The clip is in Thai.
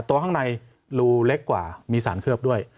ตัวข้างในรูเล็กกว่ามีสารเคลือบด้วย